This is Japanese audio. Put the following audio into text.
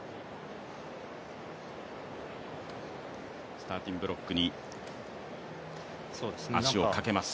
スターティング・ブロックに足をかけます。